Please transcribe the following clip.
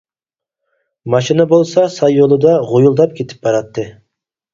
ماشىنا بولسا ساي يولىدا غۇيۇلداپ كېتىپ باراتتى.